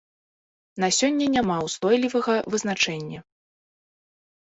На сёння няма ўстойлівага вызначэння.